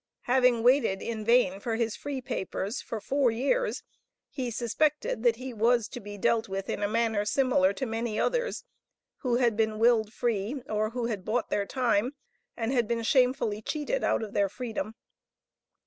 Having waited in vain for his free papers for four years, he suspected that he was to be dealt with in a manner similar to many others, who had been willed free or who had bought their time, and had been shamefully cheated out of their freedom.